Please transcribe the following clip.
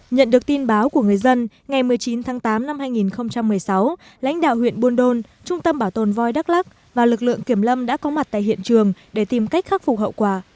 nhận được tin báo của người dân ngày một mươi chín tháng tám năm hai nghìn một mươi sáu lãnh đạo huyện buôn đôn trung tâm bảo tồn voi đắk lắc và lực lượng kiểm lâm đã có mặt tại hiện trường để tìm cách khắc phục hậu quả